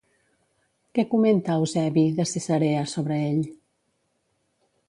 Què comenta Eusebi de Cesarea sobre ell?